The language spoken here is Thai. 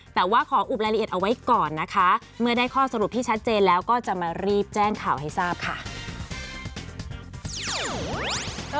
แต่ว่าขออุบรายละเอียดเอาไว้ก่อนนะคะเมื่อได้ข้อสรุปที่ชัดเจนแล้วก็จะมารีบแจ้งข่าวให้ทราบค่ะ